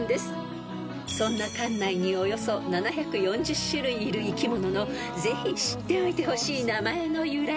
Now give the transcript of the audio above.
［そんな館内におよそ７４０種類いる生き物のぜひ知っておいてほしい名前の由来］